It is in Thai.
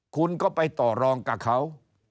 คุณก็ไปต่อรองกับเขา